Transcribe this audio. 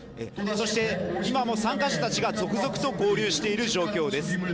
そして今も参加者たちが続々と合流している状態です。